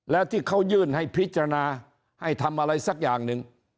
แล้วที่เขายื่นให้พิจารณาให้ทำอะไรสักอย่างหนึ่ง